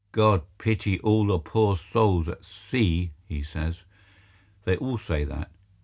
"God pity all the poor souls at sea!" he says. (They all say that.